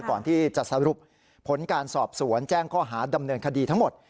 ก่อนที่จะสรุปผลการสอบสวนแจ้งข้อหาดำเนินคดีทั้งหมด